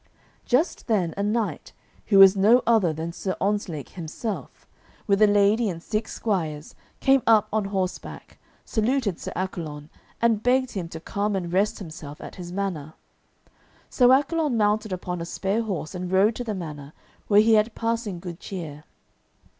Just then a knight, who was no other than Sir Ontzlake himself, with a lady and six squires, came up on horseback, saluted Sir Accolon, and begged him to come and rest himself at his manor. So Accolon mounted upon a spare horse and rode to the manor, where he had passing good cheer.